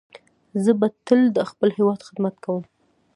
زه به تل د خپل هیواد خدمت کوم.